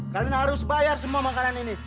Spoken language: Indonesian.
kalian harus bayar semua makanan ini